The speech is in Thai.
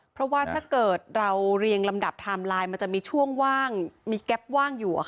เพราะว่าถ้าเกิดเราเรียงลำดับไทม์ไลน์มันจะมีช่วงว่างมีแก๊ปว่างอยู่